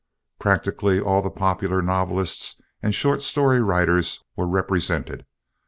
Practically all the popular novelists and short story writers were represented.